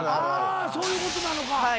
あそういうことなのか。